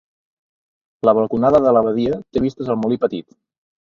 La balconada de l'Abadia té vistes al Molí Petit.